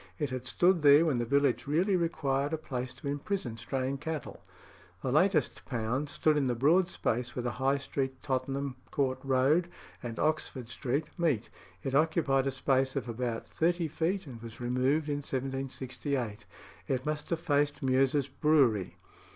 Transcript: It had stood there when the village really required a place to imprison straying cattle. The latest pound stood in the broad space where the High Street, Tottenham Court Road, and Oxford Street meet; it occupied a space of about thirty feet, and was removed in 1768. It must have faced Meux's Brewery.